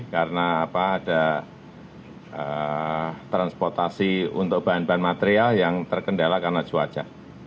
karena ada transportasi untuk bahan bahan material yang terkendala karena cuaca